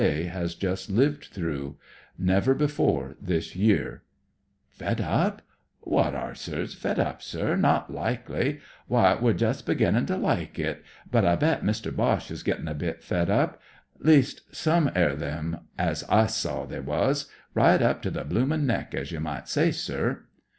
A has just Uved through ; never before this year. " Fed up ? Wot, ahr boys fed up, sir? Not likely 1 Wy, we're just beginnin' THE COCKNEY FIGHTER 89 '^ to like it. But I bet Mister Boche is gettin' a bit fed up. Least, some er them as I saw, they was; right up to the bloomm' neck, as ye might say, sir."